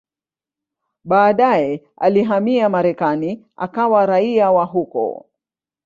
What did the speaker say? Baadaye alihamia Marekani akawa raia wa huko.